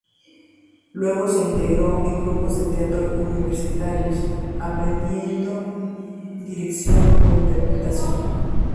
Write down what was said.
Luego se integró en grupos de teatro universitarios aprendiendo dirección e interpretación.